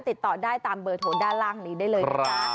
ติดต่อได้ตามเบอร์โทรด้านล่างนี้ได้เลยนะจ๊ะ